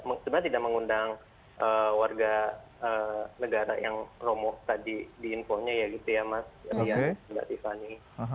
sebenarnya tidak mengundang warga negara yang romo tadi di infonya ya gitu ya mas rian mbak tiffany